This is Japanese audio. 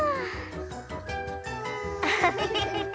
アハハ。